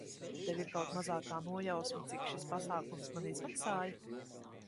Tev ir kaut mazākā nojausma, cik šis pasākums man izmaksāja?